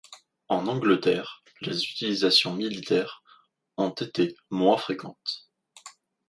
En Angleterre, les utilisations militaires ont été moins fréquentes.